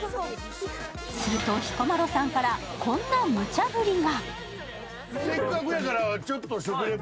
すると、彦摩呂さんからこんなむちゃぶりが。